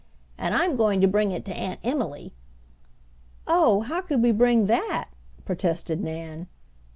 "And I'm going to bring it to Aunt Emily." "Oh, how could we bring that!" protested Nan.